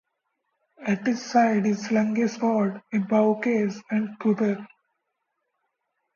At his side is slung a sword, a bow-case, and a quiver.